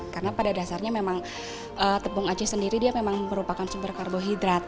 karena pada dasarnya memang tepung aci sendiri dia memang merupakan sumber karbohidrat